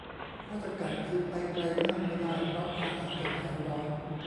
ข้อจำกัดคือไปไกลมากไม่ได้ เพราะอาหารจะหายร้อน